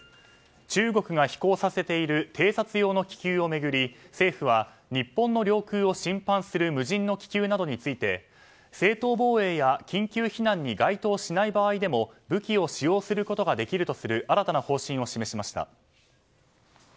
中国が飛行させている偵察用の気球を巡り政府は日本の領空を侵犯する無人の気球などについて正当防衛や緊急避難に該当しない場合でも、武器を使用することができるという新たな方針を示しました。